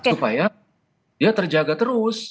supaya dia terjaga terus